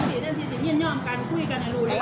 แฟนพี่ด้านที่สินเงินยอมการคุยกันให้รู้เลย